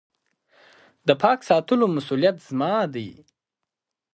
د پاک ساتلو مسولیت زما دی .